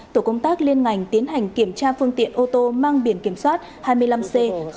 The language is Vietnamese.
tổ công tác liên ngành tiến hành kiểm tra phương tiện ô tô mang biển kiểm soát hai mươi năm c bốn nghìn bảy trăm linh một